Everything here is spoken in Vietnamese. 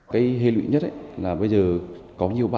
cái hệ lụy nhất là bây giờ có nhiều bạn